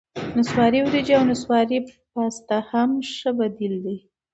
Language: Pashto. نسواري ورېجې او نسواري پاستا هم ښه بدیل دي.